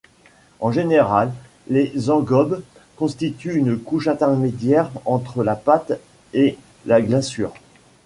En général, les engobes constituent une couche intermédiaire entre la pâte et la glaçure.